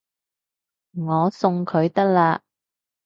我送佢得喇